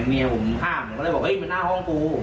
เมียผมห้ามผมก็เลยบอกเฮ้ยมันหน้าห้องกู